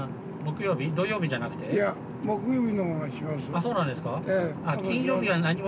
あっそうなんですか？